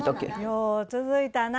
「よう続いたな」